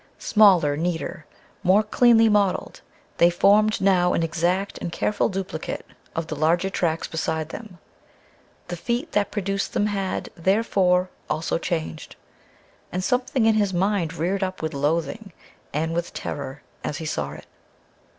Smaller, neater, more cleanly modeled, they formed now an exact and careful duplicate of the larger tracks beside them. The feet that produced them had, therefore, also changed. And something in his mind reared up with loathing and with terror as he saw it.